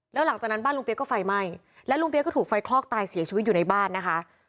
แล้วหลังจากนั้นบ้านลุงเปี๊ก็ไฟไหม้และลุงเปี๊ยกก็ถูกไฟคลอกตายเสียชีวิตอยู่ในบ้านนะคะ